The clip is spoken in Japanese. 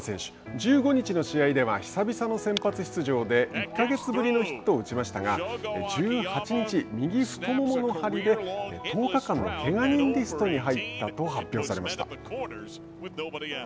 １５日の試合では久々の先発出場で１か月ぶりのヒットを打ちましたが１８日、右ふとももの張りで１０日間のけが人リストに入ったと発表されました。